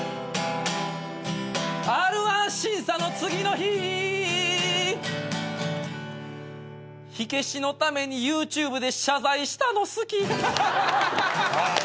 「Ｒ−１審査の次の日」「火消しのためにＹｏｕＴｕｂｅで謝罪したの好き」おい！